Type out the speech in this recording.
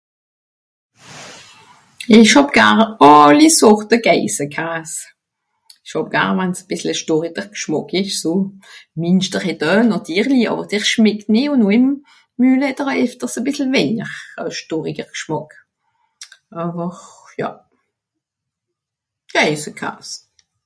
J'aime toutes les sortes de fromage de chèvre j'aime quand c'est corsé en gout Le munster c'est fort aussi, mais moins fort en bouche. Mais oui, le fromage de chèvre